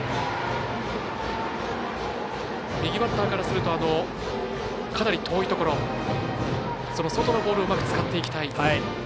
右バッターからするとかなり遠いところその外のボールをうまく使っていきたい。